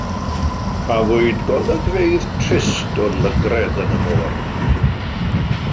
Cafwyd golygfeydd trist o lygredd yn y môr.